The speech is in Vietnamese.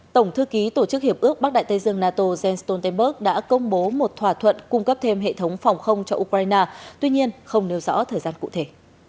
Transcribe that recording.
tổng thư ký tổ chức hiệp ước bắc đại tây dương nato jens stoltenberg đã công bố một thỏa thuận cung cấp thêm hệ thống phòng không cho ukraine tuy nhiên không nêu rõ thời gian cụ thể